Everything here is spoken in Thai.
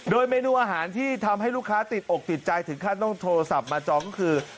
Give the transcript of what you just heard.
โดยเมนูอาหารที่ทำให้ลูกค้าติดอกติดใจถึงขั้นต้องโทรศัพท์มาจองก็คือ